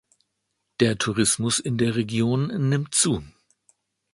Der Tourismus in der Region nimmt zu.